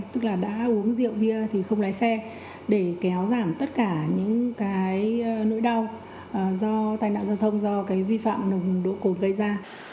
tức là đã uống rượu bia thì không lái xe để kéo giảm tất cả những cái nỗi đau do tai nạn giao thông do cái vi phạm nồng độ cồn gây ra